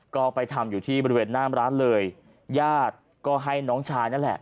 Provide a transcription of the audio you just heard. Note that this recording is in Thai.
ก็ไปทำอยู่ที่บริเวณหน้ามร้านเลยญาติก็ให้น้องชายนั่นแหละ